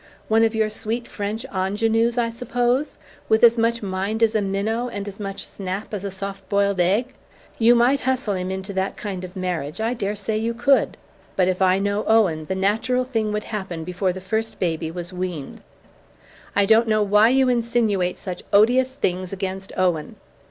One of your sweet French ingenues, I suppose? With as much mind as a minnow and as much snap as a soft boiled egg. You might hustle him into that kind of marriage; I daresay you could but if I know Owen, the natural thing would happen before the first baby was weaned." "I don't know why you insinuate such odious things against Owen!"